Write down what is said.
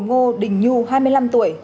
ngô đình nhu hai mươi năm tuổi